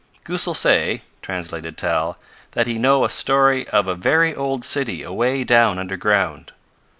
"Goosal say," translated Tal, "that he know a story of a very old city away down under ground."